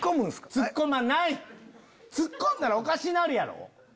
ツッコんだらおかしなるやろ？